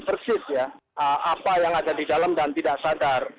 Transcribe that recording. persis ya apa yang ada di dalam dan tidak sadar